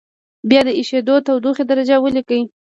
بیا د اېشېدو تودوخې درجه ولیکئ.